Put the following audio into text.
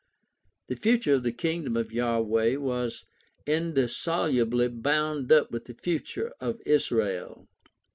The future of the Kingdom of Yahweh was indissolubly bound up with the future of Israel.